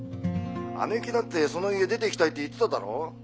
姉貴だってその家出ていきたいって言ってただろ？